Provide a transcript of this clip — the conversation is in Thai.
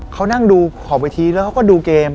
เขานั่งดูขอบเวทีแล้วเขาก็ดูเกม